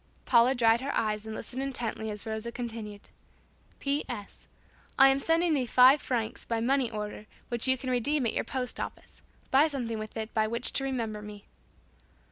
Paula dried her eyes and listened intently as Rosa continued, "P. S. I am sending thee five francs by money order which you can redeem at your post office. Buy something with it by which to remember me."